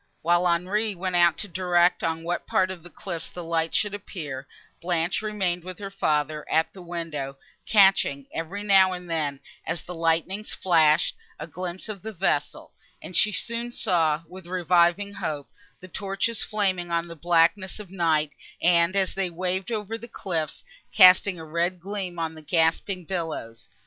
While Henri went out to direct on what part of the cliffs the lights should appear, Blanche remained with her father, at the window, catching, every now and then, as the lightnings flashed, a glimpse of the vessel; and she soon saw, with reviving hope, the torches flaming on the blackness of night, and, as they waved over the cliffs, casting a red gleam on the gasping billows.